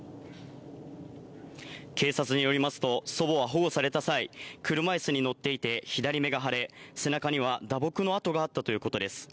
警察によりますと、祖母は保護された際、車いすに乗っていて、左目が腫れ、背中には打撲の痕があったということです。